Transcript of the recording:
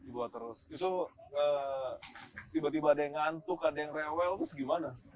dibawa terus tiba tiba ada yang ngantuk ada yang rewel terus gimana